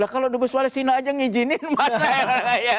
kalau dubes palestina aja nginjinin masa ya